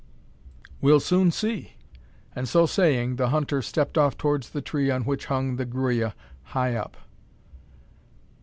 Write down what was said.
We'll soon see;" and, so saying, the hunter stepped off towards the tree on which hung the gruya, high up.